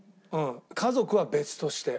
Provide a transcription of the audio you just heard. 家族は別として。